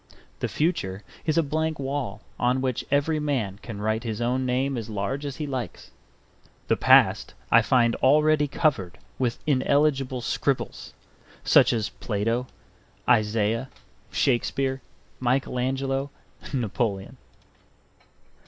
The future is a blank wall on which every man can write his own name as large as he likes; the past I find already covered with illegible scribbles, such as Plato, Isaiah, Shakespeare, Michael Angelo, Napoleon.